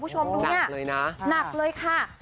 หนักเลยนะหนักเลยค่ะ